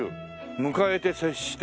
迎えて接して。